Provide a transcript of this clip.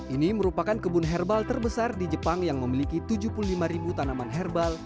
ini merupakan kebun herbal terbesar di jepang yang memiliki tujuh puluh lima ribu tanaman herbal